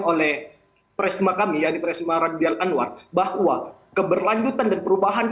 oleh presma kami yang di presma raditya anwar bahwa keberlanjutan dan perubahan